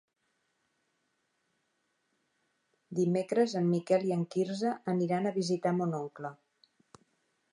Dimecres en Miquel i en Quirze aniran a visitar mon oncle.